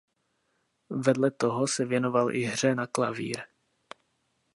Vedle toho se věnoval i hře na klavír.